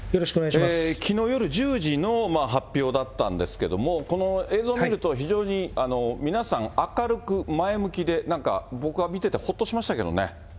きのう夜１０時の発表だったんですけども、この映像見ると、非常に皆さん、明るく、前向きで、なんか僕は見ててほっとしましたけどね。